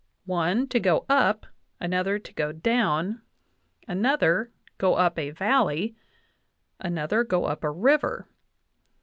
. one, to go up ; another, to go down ;... another, go up a valley ; another, go up a river."